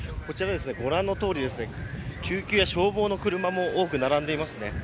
ご覧のとおり、救急や消防の車も多く並んでいます。